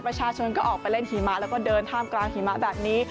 ประชาชนก็ออกไปเล่นหิมะแล้วก็เดินท่ามกลางหิมะแบบนี้